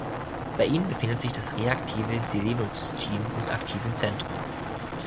Bei ihnen befindet sich das reaktive Selenocystein im aktiven Zentrum.